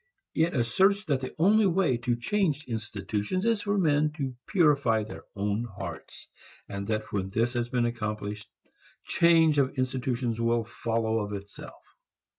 It asserts that the only way to change institutions is for men to purify their own hearts, and that when this has been accomplished, change of institutions will follow of itself.